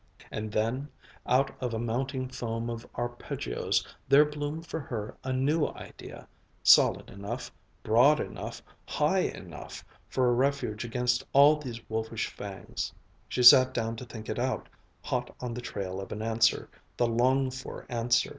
And then, out of a mounting foam of arpeggios, there bloomed for her a new idea, solid enough, broad enough, high enough, for a refuge against all these wolfish fangs. She sat down to think it out, hot on the trail of an answer, the longed for answer.